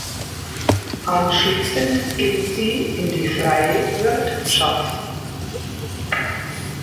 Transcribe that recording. Anschließend ging sie in die freie Wirtschaft.